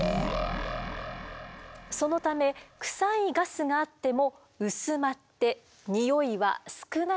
そのためクサいガスがあっても薄まってにおいは少なくなります。